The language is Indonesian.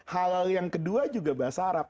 halal yang kedua juga bahasa arab